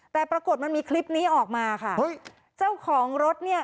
แต่ปรากฏมันมีคลิปนี้ออกมาค่ะเฮ้ยเจ้าของรถเนี่ย